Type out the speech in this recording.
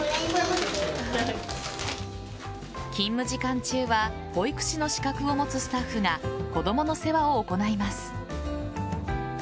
勤務時間中は保育士の資格を持つスタッフが子供の世話を行います。